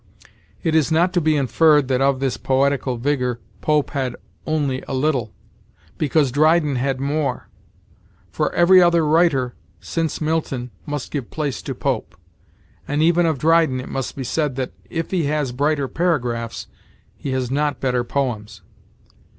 It is not to be inferred that of this poetical vigor Pope had only a little, because Dryden had more; for every other writer, since Milton, must give place to Pope; and even of Dryden it must be said that, if he has brighter paragraphs, he has not better poems.